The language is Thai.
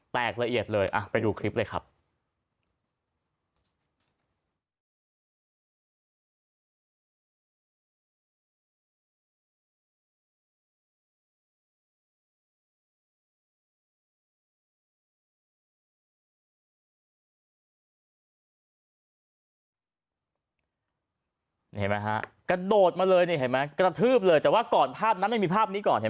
แตกละเอียดเลยไปดูคลิปเลยครับ